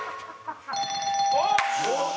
おっ！